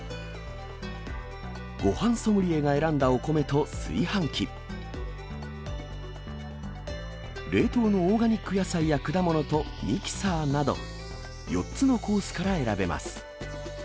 ごはんソムリエが選んだお米と炊飯器、冷凍のオーガニック野菜や果物とミキサーなど、４つのコースから選べます。